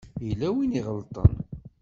Yella win i iɣelṭen.